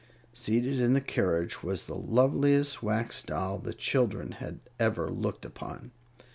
Seated in the carriage was the loveliest Wax Doll the children had ever looked upon.